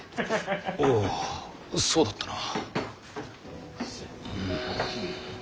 おうそうだったな。